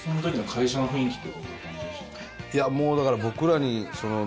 いやもうだから僕らに。